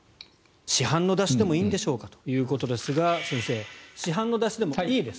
市販のだしでもいいんでしょうかということですが先生、市販のだしでもいいです。